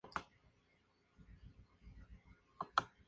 Es parte de la periferia del Egeo Meridional.